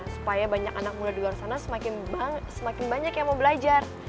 supaya banyak anak muda di luar sana semakin banyak yang mau belajar